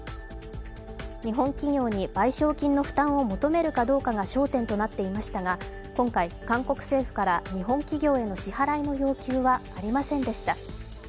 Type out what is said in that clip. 日本企業に賠償金の負担を求めるかどうかが焦点となっていましたが今回、韓国政府から日本企業への支払いの要求はありませんでした。